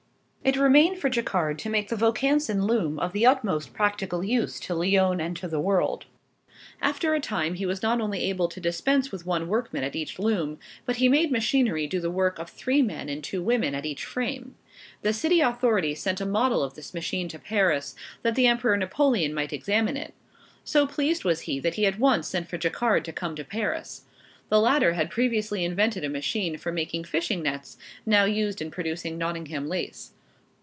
It remained for Jacquard to make the Vaucanson loom of the utmost practical use to Lyons and to the world. After a time he was not only able to dispense with one workman at each loom, but he made machinery do the work of three men and two women at each frame. The city authorities sent a model of this machine to Paris, that the Emperor Napoleon might examine it. So pleased was he that he at once sent for Jacquard to come to Paris. The latter had previously invented a machine for making fishing nets, now used in producing Nottingham lace.